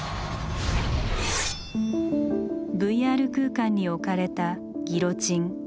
ＶＲ空間に置かれたギロチン。